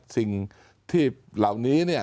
สิ่งที่เหล่านี้เนี่ย